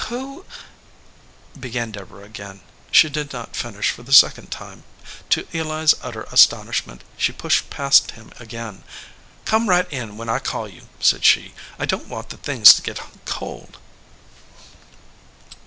"Who ?" began Deborah again. She did not finish for the second time. To Eli s utter as tonishment, she pushed past him again. "Come right in when I call you," said she. "I don t want the things to get cold."